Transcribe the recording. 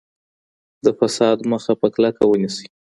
د فساد مخه په کلکه ونیسئ.